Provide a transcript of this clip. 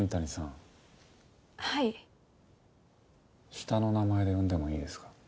下の名前で呼んでもいいですか？